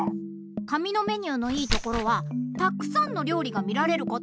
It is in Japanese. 紙のメニューのいいところはたくさんのりょうりがみられること。